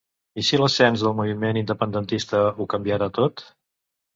I si l'ascens del moviment independentista ho canviara tot?